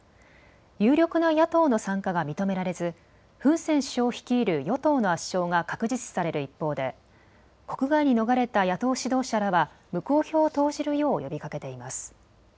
有力な野党の参加が認められずフン・セン首相率いる与党の圧勝が確実視される一方で国外に逃れた野党指導者らは無効票を投じるよう呼びかけています。